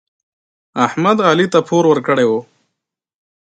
احمد علي ته پور ورکړی و.